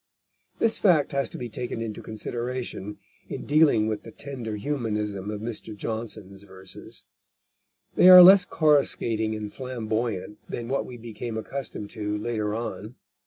This fact has to be taken into consideration in dealing with the tender humanism of Mr. Johnson's verses. They are less coruscating and flamboyant than what we became accustomed to later on.